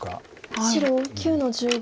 白９の十五。